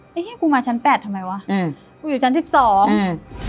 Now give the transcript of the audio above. เนี่ยกูมาชั้น๘ทำไมว่ะผมอยู่ชั้น๑๒อืมอืม